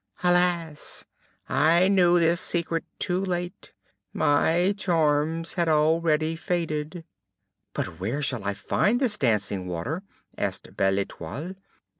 Alas! I knew this secret too late; my charms had already faded." "But where shall I find this dancing water?" asked Belle Etoile.